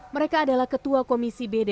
mereka adalah ketua komisi b dprd jawa timur